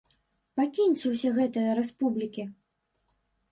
Пакіньце ўсе гэтыя рэспублікі!